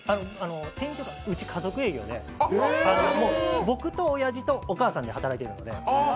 店員というか、うち、家族営業で僕とおやじとお母さんで働いているので。